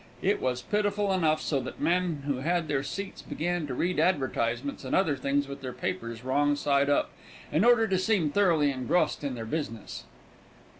It was pitiful enough, so that men who had their seats began to read advertisements and other things with their papers wrong side up, in order to seem thoroughly engrossed in their business.